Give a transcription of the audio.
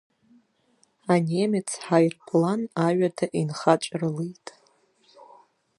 Анемец ҳаирплан аҩада инхаҵәрылеит.